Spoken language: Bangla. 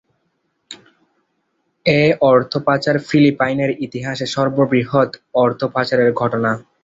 এ অর্থ পাচার ফিলিপাইনের ইতিহাসে সর্ববৃহৎ অর্থ পাচারের ঘটনা।